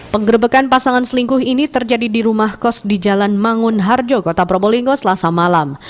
penggerbekan pasangan selingkuh ini terjadi di rumah kos di jalan mangun harjo kota probolinggo selasa malam